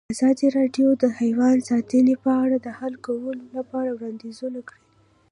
ازادي راډیو د حیوان ساتنه په اړه د حل کولو لپاره وړاندیزونه کړي.